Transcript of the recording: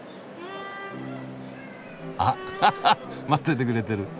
あははっ待っててくれてる。